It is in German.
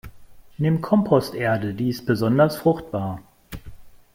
Nimm Komposterde, die ist besonders fruchtbar.